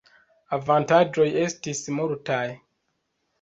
Avantaĝoj estis multaj.